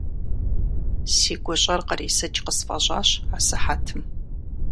Си гущӀэр кърисыкӀ къысфӀэщӀащ асыхьэтым.